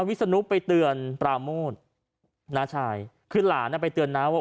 วิศนุไปเตือนปราโมทน้าชายคือหลานอ่ะไปเตือนน้าว่า